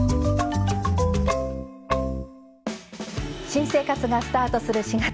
新生活がスタートする４月。